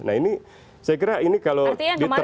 nah ini saya kira ini kalau ditekan